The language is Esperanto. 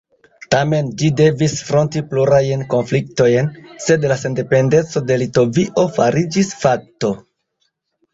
Tamen ĝi devis fronti plurajn konfliktojn, sed la sendependeco de Litovio fariĝis fakto.